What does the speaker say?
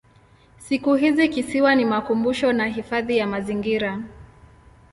Siku hizi kisiwa ni makumbusho na hifadhi ya mazingira.